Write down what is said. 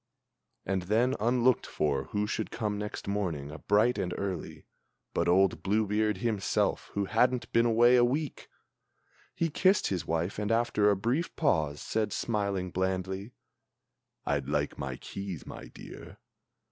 And then, unlooked for, who should come next morning, bright and early, But old Blue beard himself who hadn't been away a week! He kissed his wife, and, after a brief pause, said, smiling blandly: "I'd like my keys, my dear."